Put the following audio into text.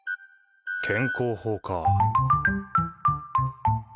健康法か。